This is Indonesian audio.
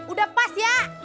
udah pas ya